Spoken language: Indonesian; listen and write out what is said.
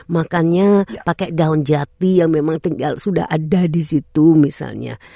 makannya pakai daun jati yang memang tinggal sudah ada di situ misalnya